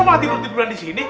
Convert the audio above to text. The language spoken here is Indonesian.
wah tidur tiduran di sini